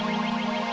konflik dengan nanti